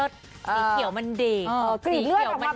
สีเขียวมันเล็ก